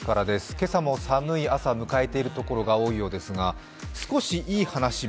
今朝も寒い朝を迎えているところが多いようですが、少しいい話も。